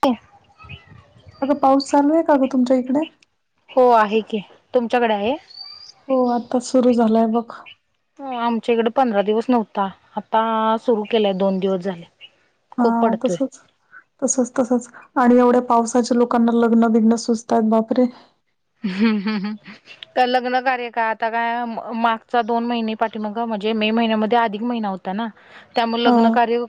ते अग पाऊस चालू आहे का ग तुमच्या इकडे. हो आहे की तुमच्याकडे आहे. हो आता सुरू झालंय बघ. हो आमच्या इकडे पंधरा दिवस नव्हता आता सुरू केलाय दोन दिवस झाले. हा खूप पडतोय तसच. तसच तसच आणि एवढ्या पावसाच्या लोकांना लग्न बिघ्न सुचतात बापरे हम् हम् हम लग्न कार्य का आता काय मा्गचा दोन महिने पाठी मग म्हणजे मे महिन्यामध्ये अधिक महिना होता. त्यामुळे हा लग्न कार्य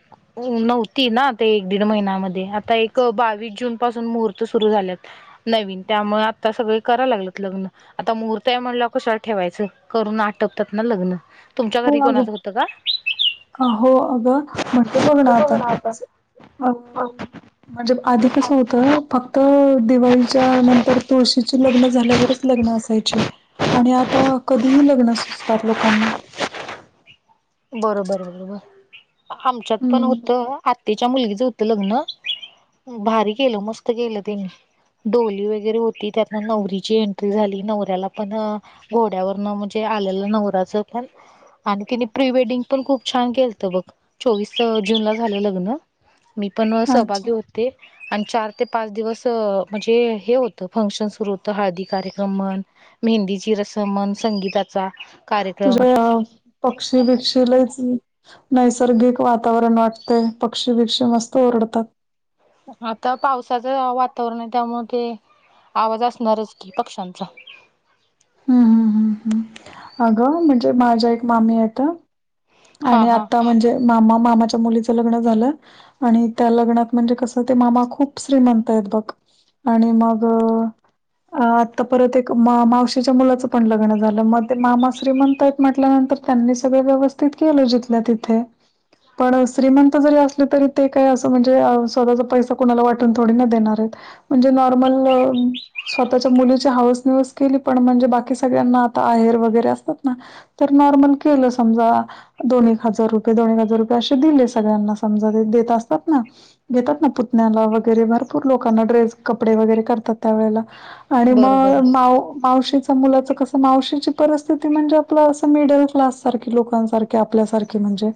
नव्हती ना ते एक दीड महिन्यामध्ये आता एक बावीस जून पासून मुहूर्त सुरू झाल्यात. नवीन त्यामुळे आता सगळे कराय लागलेत लग्न. आता महूर्त आहे म्हणलं कशा ठेवायचं करून आटपतात ना लग्न. तुमच्या घरी कोणाचं होतं का? अ हो अगं म्हणजे बघ ना आता होत अ म्हणजे आधी कसं होतं फक्त दिवाळीच्या नंतर तुळशीची लग्न झाल्यावरच लग्न असायची. आणि आता कधीही लग्न सुचतात लोकांना. बरोबर बरोबर आमच्यात पण हम्म होतं आ तिच्या मुलगीच होत लग्न भारी केलं मस्त केलं त्यानी डोली वगैरे होती त्यांना नवरीची एंट्री झाली नवऱ्याला पण घोड्यावरन म्हणजे आलेलं नवराचं प आणखी प्री वेडिंग पण खूप छान केलत बघ चोवीस जून ला झालं लग्न मी पण अच्छा सहभागी होते. आणि चार ते पाच दिवस म्हणजे हे होतं फंक्शन सुरू होतं हळदी कार्यक्रम म्हण मेहंदीची रसम म्हण संगीताचा कार्यक्रम तुझ्या पक्षी बिकक्षेलाच नैसर्गिक वातावरण वाटते पक्षी बिक्क्षी मस्त ओरडतात. आता पावसाचं वातावरण आहे त्यामुळे आवाज असणारच की पक्ष्यांचा हम्म हम् हम् हम् अगं म्हणजे माझ्या एक मामी हायत्या. हा आणि हा आता म्हणजे मामा मामाच्या मुलीच लग्न झालं. आणि त्या लग्नात म्हणजे कसं ते मामा खूप श्रीमंत आहेत बघ. आणि मग आता परत एक मावशीच्या मुलाचं पण लग्न झालं मग ते मामा श्री म्हणतायत म्हटल्यानंतर त्यांनी सगळं व्यवस्थित केल जिथलं तिथे पण श्रीमंत जरी असले तरी ते काय असं म्हणजे स्वतःचा पैसा कुणाला वाटून थोडी ना देणार आहेत. म्हणजे नॉर्मल स्वतःच्या मुलीची हावस निवस केली पण म्हणजे बाकी सगळ्यांना आता आहेर वगैरे असतात ना तर नॉर्मल केलं समजा दोन एक हजार रुपये दोन एक हजार रुपये असे दिले सगळ्यांना समजा ते देत असतात ना घेतात ना पुतण्याला वगैरे भरपूर लोकांना ड्रेस कपडे वगैरे करतात त्यावेेळेला आणि बरं बरं. मग माव मावशी मुलाचं कस मावशीची परिस्थिती म्हणजे आपलं अस मिडल क्लास सारखी लोकांच आपल्या सारखी म्हणजे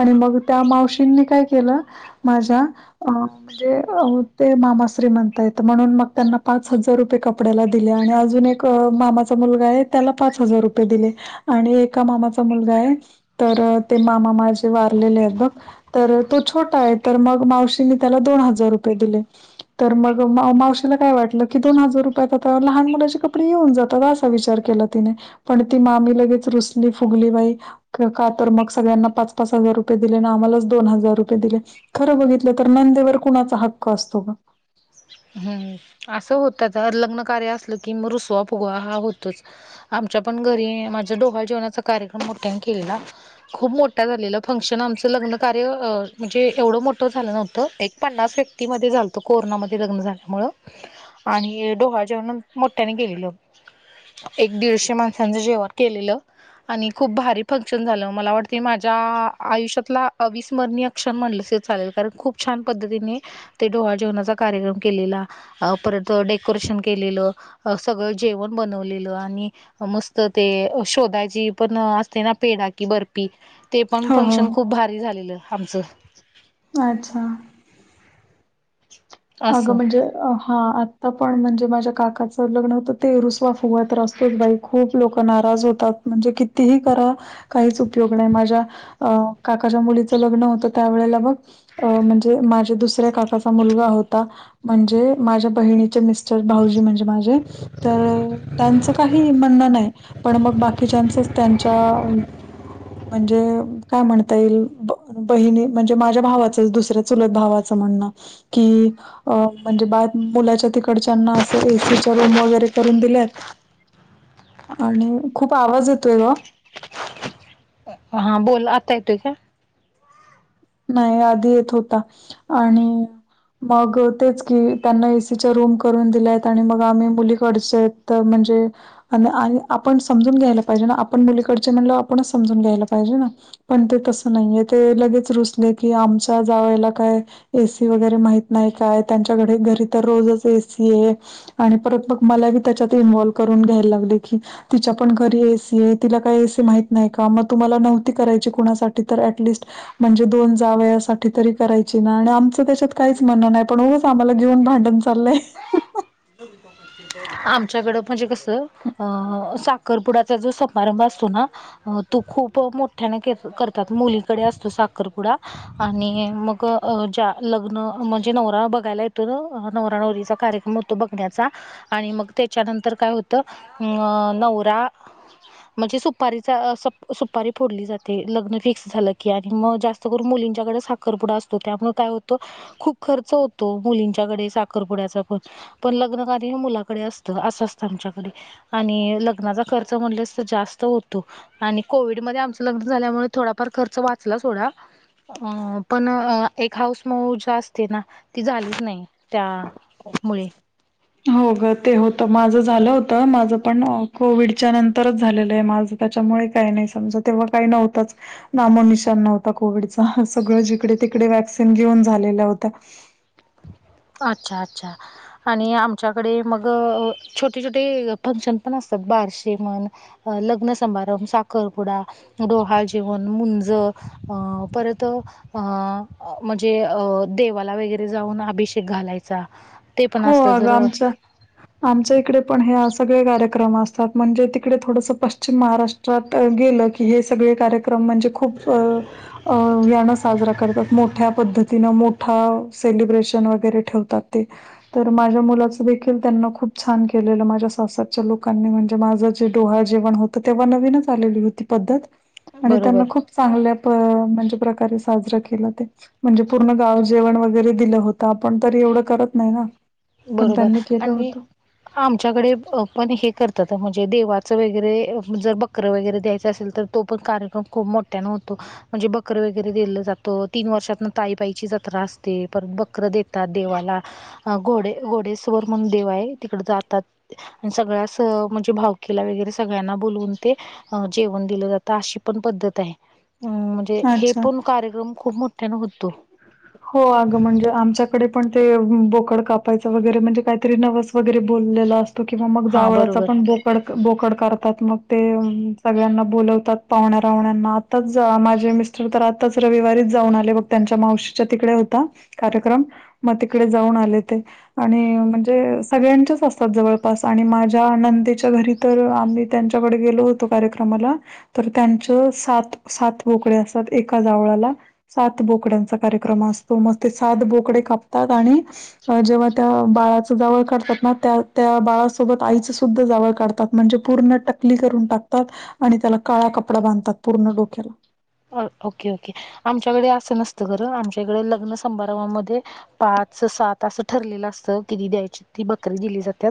आणि मग त्या मावशींनी काय केलं माझ्या अ म्हणजे ते मामाश्री म्हणता येत म्हणून मग त्यांना पाच हजार रुपये कपड्याला दिले आणि अजून एक मामाचा मुलगा आहे त्याला पाच हजार रुपये दिले आणि एका मामाचा मुलगा आहे. तर ते मामा माझे वारलेले आहेत बघ तर तो छोटा आहे तर मग, मावशीने त्याला दोन हजार रुपये दिले. तर मग मा मावशीला काय वाटलं की, दोन हजार रुपयात आता लहान मुलाचे कपडे येऊन जातात असा विचार केला तिने पण ती मामी लगेच रुसली फुगली बाई का तर मग सगळ्यांना पाच पाच हजार रुपये दिले आणि आम्हालाच दोन हजार रुपये दिले. खरं बघितलं तर नंदेवर कुणाचा हक्क असतो का हम्म असं होत तर लग्न कार्य असलं की, म रुसवा फुगवा हा होतोच. आमच्या पण घरी अ माझ्या डोहाळ जेवणाचा कार्यक्रम मोठ्यान केलेला खूप मोठ्या झालेलं फंक्शन आमचं लग्न कार्य म्हणजे एवढं मोठं झालं नव्हतं एक पन्नास व्यक्ती मध्ये झालतो कोरोना म लग्न झाल्यामुळं आणि डोहाळजेवण मोठ्याने केलेलं एक दीडशे माणसांचं जेवण केलेलं आणि खूप भारी फंक्शन झालं मला वाटतेय माझ्या आयुष्यातला अविस्मरणीय क्षण म्हणलस तरी चालेल कारण खूप छान पद्धतीने ते डोहाळ जेवणाचा कार्यक्रम केलेला अ परत अ डेकोरेशन केलेलं सगळं जेवण बनवलेलं आणि मस्त ते शोधायची पण असते ना पेढा की बर फी ते पण हो हो. फंक्शन खूप भारी झालेलं आमचं. अच्छा. अगं असं म्हणजे अ हां आता पण म्हणजे माझ्या काकाचं लग्न होतं ते रुसवा फुगवा तर असतोच बाई. खूप लोक नाराज होतात म्हणजे कितीही करा काहीच उपयोग नाही माझ्या अ काकाच्या मुलीचं लग्न होतं त्यावेेळेला बघ अ म्हणजे माझे दुसऱ्या काकाचा मुलगा हो ता म्हणजे माझ्या बहिणीचे मिस्टर भाऊजी म्हणजे माझे तर त्यांचं काही म्हणणं नाही पण मग बाकीच्याच त्यांच्या अ म्हणजे काय म्हणता येईल ब बहिणी म्हणजे माझ्या भावाचच दुसर चुलत भावाचं म्हणनं कि अ म्हणजे बा मुलांच्या तिकडच्यांना असं ए सी च्या रूम वगैरे करून दिल्यात आणि खूप आवाज येतोय ग. हां बोल आता येतोय का? नाही आधी येत होता आणि मग तेच की त्यांना ए सी च्या रूम करून दिल्यात आणि मग आम्ही मुलीकडचेत त म्हणजे आणि आण आपण समजून घ्यायला पाहिजे ना, आपण मुलीकडचे म्हणलं आपणच समजून घ्यायला पाहिजे ना. पण ते तसं नाहीये ते लगेच रुसले की आमच्या जावयाला काय ए सी वगैरे माहीत नाही काय त्यांच्याकडे घरी तर रोजच ए सी आहे आणि परत मग मला बी त्याच्यात इन्वॉल्व करून घ्यायला लागले की तिच्या पण घरी ए सी आहे, तिला काही ए सी माहीत नाही का? मग तुम्हाला नव्हती करायची कुणासाठी तर ऍटलिस्ट म्हणजे दोन जावयासाठी तरी करायची ना आणि आमचं त्याच्यात काहीच म्हणं नाही पण च आम्हाला घेऊन भांडण चाललंय. [inaudible] आमच्याकडं म्हणजे कसं अं साखरपुडाचा जो समारंभ असतो ना हा अ तू खूप मोठ्याने के करतात मुलीकडे असतो साखरपुडा आणि मग अ ज्या लग्न म्हणजे नवरा बघायला येतो ना नवरा नवरीचा कार्यक्रम होतो तो बघण्याचा आणि मग त्याच्यानंतर काय होतं अं नवरा म्हणजे सुपारीचा अ सप सुपारी फोडली जाते लग्न फिक्स झालं की आणि मग जास्त अ करून मुलींच्याकडे साखरपुडा असतो त्यामुळ काय होतं खूप खर्च होतो मुलींच्याकडे साखरपुड्याचा पणं, पण लग्न कार्य हे मुला कडे कडे असंत असं असतं आमच्याकडे आणि लग्नाचा खर्च म्हणलस तर जास्त त होतो आणि कोविड मध्ये आमच लग्नं झाल्यामुळें थोडाफार खर्च वाचला थोडा अ पण एक हाऊस मौज असते ना ती झालीच नाही त्या होय हो ग ते होत माझं झालं होतं माझं पण कोविडच्या नंतरच झालेलं आहे माझं त्याच्यामुळे काही नाही समजा तेव्हा काही नव्हताच नामो निशान नव्हता कोविडचा सगळं जिकडे तिकडे वॅक्सिन घेऊन झालेल्या होत्या. अच्छा अच्छा आणि आमच्याकडे मग छोटे छोटे फंक्शन पण असतात बारशी म्हणुन अ लग्नसभारंभ साखरपुडा डोहाळे जेवण मुंज अ परत अ अं म्हणजे अ देवाला वगैरे जाऊन अभिषेक घालायचा. ते पण हो असतं अगं जर आमचं आमच्या इकडे पण हे सगळे कार्यक्रम असतात म्हणजे तिकडे थोडस पश्चिम महाराष्ट्र त्यात अ गेले की हे सगळे कार्यक्रम इकडे म्हणजे खूप अ अ याण साजरा करतात मोठ्या पद्धतीन मोठा सेलिब्रेशन वगैरे ठेवतात ते. तर माझ्या मुलाच देखील त्यांना खूप छान केलेलं माझ्या सासरच्या लोकांनी म्हणजे माझं डोहाळ जेवण होतं ड तेव्हा नवीनच आलेली होती पद्धत त्यांना बरोबर, खूप चांगल्या प म्हणजे प्रकारे साजरं केलं ते म्हणजे पूर्ण गाव जेवण वगैरे दिलं होतं आपण तरी एवढं करत नाही ना पण बरोबर त्यांनी केलं आणि होत. आमच्याकडे पण हे करतात अ म्हणजे देवाचं वगैरे जर बघ चक्र वगैरे द्यायचां असेल तर तो पण कार्यक्रम खूप मोठ्यानं होतो. म्हणजे बकरे वगैरे दिलं जातं तीन वर्षातन ताईबाईची जत्रा असते परत बकर देतात देवाला अ घोडे घोडेस्वर म्हणून देव आहे तिकडं जातात. सगळ्यास अ म्हणजे भावकीला वगैरे सगळ्यांना बोलवून ते अ जेवण दिलं जातं अशी पण पद्धत आहे. अ, हम् [inaudible] म्हणजे हे पण कार्यक्रम खूप मोठाने होतो. हो अगं म्हणजे आमच्याकडे पण ते बोकड कापायचं वगैरे म्हणजे काहीतरी नवस वगैरे बोललेला असतं. किंवा मग हां जावळचा बरोबर पण बोक ड बोकड करतात मग ते सगळ्यांना बोलवतात पाहुण्या राहण्यांना आताच माझे मिस्टर तर आताच रविवारीच जाऊन आले बग त्यांच्या मावशी तिकडे होता कार्यक्रम मग तिकडे जाऊन आले ते आणि म्हणजे सगळ्यांच्याच असतात जवळपास आणि माझ्या नंदेच्या घरी तर आम्ही त्यांच्याकडे गेलो होतो कार्यक्रमाला तर त्यांच सात सात बोकडे असतात एका जावळाला सात बोकड्यांचा कार्यक्रम असतो म ते सात बोकडे कापतात आणि जेव्हा त्या बाळाचं जावळ काढतात ना त्या त्या बाळसोबत आईचं सुद्धा जावळ काढतात. म्हणजे पूर्ण टकली करून टाकतात आणि त्याला काळा कपडा बांधतात पूर्ण डोक्याला ओके ओके आमच्याकडे असं नसतं खरं आमच्या इकडे लग्न समारंभामध्ये पाच सात असं ठरलेलं असतं किती द्यायची ती बकरी दिली जाते.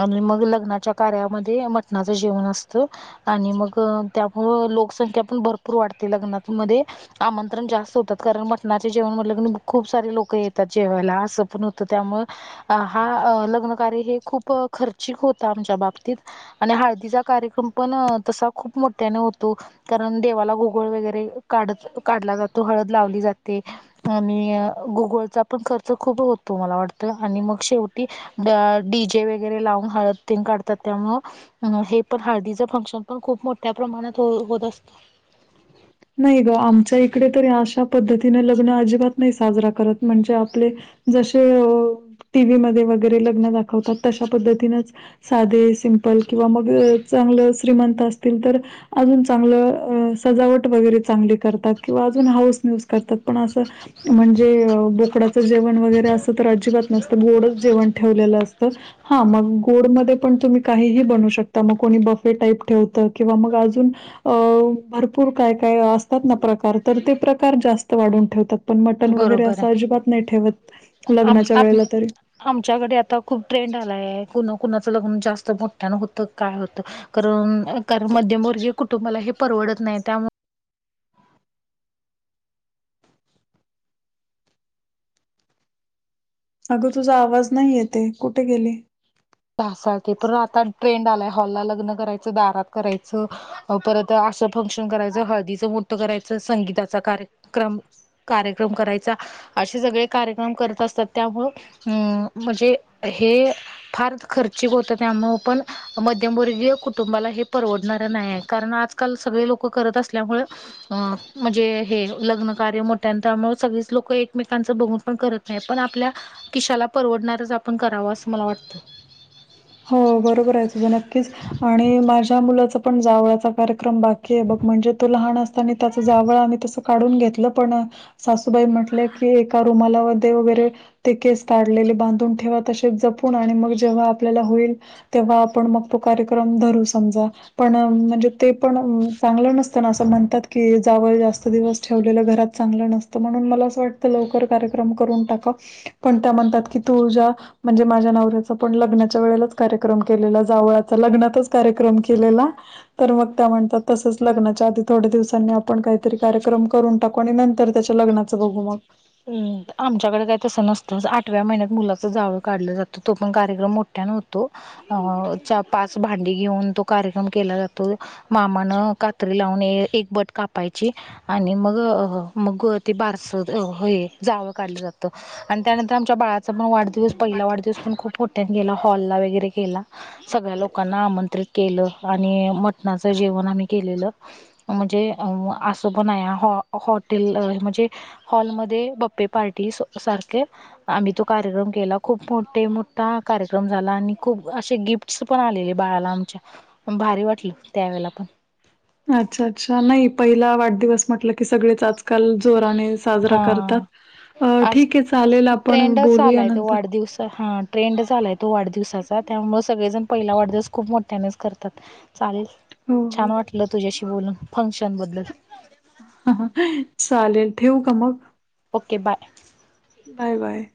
आणि मग लग्नाच्या कार्यामध्ये मटणाचं जेवण असतं. आणि मग त्यामुळं लोकसंख्या पण भरपूर वाढते लग्नातमध्ये आमंत्रण जास्त होतात कारण मटणाचे जेवण म्हटलं क खूप सारे लोक येतात जेवायला असं पण होतं त्यामुळे अ हा लग्न कार्य हे खूप खर्चिक होत आमच्या बाबतीत आणि हळदीचा कार्यक्रम पण तसा खूप मोठ्याने होतो कारण देवाला गोळ वगैरे काढत काढला जातो हळद लावली जाते. आणि गुगलचा पण खर्च खूप होतो मला वाटतं आणि मग शेवटी डीजे वगैरे लावून हळद ते नकाढतात त्यामुळे ह हे पण हळदीचं फंक्शन पण खूप मोठ्या प्रमाणात होत असतं. नाही ग आमच्या इकडे तरी अशा पद्धतीने लग्न अजिबात नाही साजरा करत म्हणजे आपले जसे टीव्ही म वगैरे लग्न दाखवतात तशा पद्धतीनच साधे सिंपल किंवा मग चांगलं श्रीमंत असतील तर अजून चांगलं सजावट गरे चांगली करतात किंवा अजून हाऊस न्यूज करतात पण अस म्हणजे बोकडाचं जेवण वगैरे असं तर अजिबात नसतं गोड जेवण ठेवलेलं असतं हा मग गोडमध्ये पण तुम्ही काहीही बनवू शकता मग कोणी बफे टाईप ठेवतं किंवा मग अजून अ भरपूर काय काय असतात ना प्रकार तर ते प्रकार जास्त वाढून ठेवतात आपण मटन वगैरे बरोबर असं आहे अजिबात नाही ठेवत आम लग्नाच्या आम वेळेला तरी आमच्याकडे आता खूप ट्रेंड आलाय कुणा कुणाचं लग्न जास्त मोठठ्यान होतं काय होतं कारण कारण मध्यमवर्गी कुटुंबाला हे परवडत नाही त्यामुळे अगं तुझा आवाज नाही येते कुठे गेली तसाल ते पण आता ट्रेंड आलाय हॉलला लग्न करायचं दारात करायचं परत असं फंक्शन करायचं हळदीचं मोठं करायचं संगीताचा कार्यक्रम कार्यक्रम करायचा असे सगळे कार्यक्रम करत असतात त्यामुं अम म्हणजे हे फार खर्चिक होत त्यामु पण मध्यमवर्गीय कुटुंबाला हे परवडणार नाही आहे कारण आज काल सगळे लोक करत असल्यामुळे अ म्हणजे हे लग्न कार्य मोठ्या त्यामुळे सगळीच लोक एकमेकांच बघून पण करत नाही पण आपल्या किशाला परवडणारच आपण करावं असं मला वाटतं हो बरोबर आहे तुझं नक्कीच आणि माझ्या मुलाचं पण जावळाच कार्यक्रम बाकी आहे बघ म्हणजे तो लहान असताना त्याच जावळ आम्ही तस काढून घेतलं पण सासूबाई म्हटलं कि एका वरे केस बांधून ठे त ज जेव्हा आपल्याला होईल तेव्हा आपण मग तो कार्यक्रम धरू समजा पण म्हणजे ते पण चांगलं नसताना असं म्हणतात की जावळ जास्त दिवस ठेवलेलं घरात चांगलं नसतं म्हणून मला असं वाटतं लवकर कार्यक्रम करून टाका पण त्या म्हणतात की तुझ्या म्हणजे माझ्या नवऱ्याच पण लग्ना वेळेच कार्यक्रम केलेला जावळाचा लग्नातच कार्यक्रम केलेला तर मग त्या म्हणतात तसंच लग्नाच्या आधी थोड्या दिवसांनी आपण काहीतरी कार्यक्रम करून टाक कोणी नंतर त्याच्या लग्नाचं बघू मग आमच्याकडे काय तसं नसतं आठव्या महिन्यात मुलाच जावळ काढलं जातं तो पण कार्यक्रम मो होतो अ पाच भांडी घेऊन तो कार्यक्रम केला जातो मामान कात्री लावून एक बट कापायची आणि मग मग ते बारस हो जावं काढलं जातं आणि त्यानंतर आमच्या बा पण वाढदिवस पहिला वाढदिवस पण खूप खोट्या गेला हॉलला वगैरे केला सगळ्या लोकांना आमंत्रित केलं आणि मटणाचं जेवण आम्ही केलेलं म्हणजे असं बण हॉटेल म्हणजे हॉलमध्ये ते बप्पे पार्टी सारखे आम्ही तो कार्यक्रम केला खूप मोठे मोठा कार्यक्रम झाला आणि खूप असे गिफ्टस पण आलेले बाळाला आमच्या भारी वाटल त्यावेेळेला पण अच्छा अच्छा नाही पहिला वाढदिवस म्हटलं की सगळेच आजकाल जोराने साजरा हा करतात आज ठीक आहे चालेल आपण बोलू यानंतर दिवसा हा ट्रेंड झालाय तो वाढदिवसाचा त्यामुळे सगळेजण पहिला वाढदिवस खूप मोठ्यानेच करतात चालेल हो छान हो. वाटलं तुझ्याशी बोलून फंक्शन बद्दल चालेल ठेवू का मग ओके बाय बाय बाय